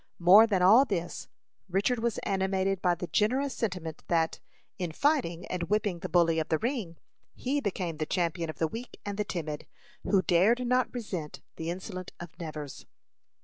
More than all this, Richard was animated by the generous sentiment that, in fighting and whipping the bully of the ring, he became the champion of the weak and the timid, who dared not resent the insolence of Nevers.